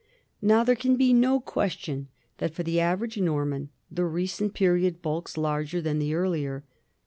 Now there can be no question that for the average Norman the recent period bulks larger than the earlier.